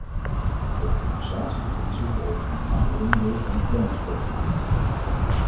Het compensatiebeginsel behoort een normaal onderdeel van de planningsprocedure te worden.